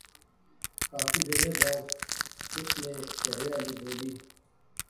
کافی ویلے بعد اس نے کہھرے آلی بولی